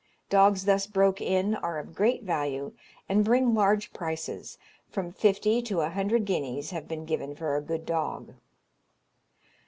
Dogs thus broke in are of great value, and bring large prices; from fifty to a hundred guineas have been given for a good dog.